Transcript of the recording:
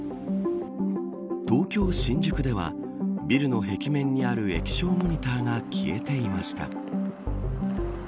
東京、新宿ではビルの壁面にある液晶モニターが消えていました。